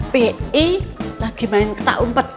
pi lagi main ketak umpet